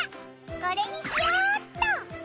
これにしようっと。